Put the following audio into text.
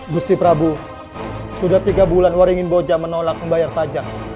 gusti prabu sudah tiga bulan waringin boja menolak membayar pajak